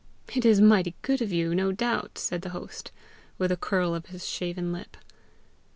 "It's mighty good of you, no doubt!" said the host, with a curl of his shaven lip.